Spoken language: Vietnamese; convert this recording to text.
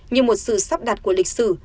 như một sự sắp đạt của lịch sử